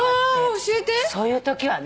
そういうときはね